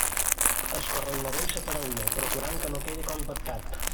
Escorreu-lo bé i separeu-lo, procurant que no quedi compactat.